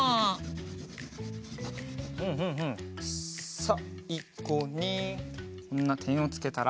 さいごにこんなてんをつけたら。